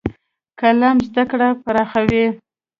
قلم زده کړه پراخوي.